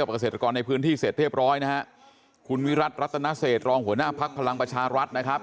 กับเกษตรกรในพื้นที่เสร็จเรียบร้อยนะฮะคุณวิรัติรัตนเศษรองหัวหน้าภักดิ์พลังประชารัฐนะครับ